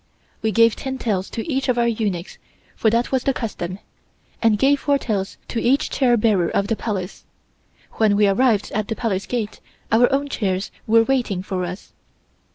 We gave ten taels to each of our eunuchs, for that was the custom, and gave four taels to each chair bearer of the Palace. When we arrived at the Palace Gate our own chairs were waiting for us.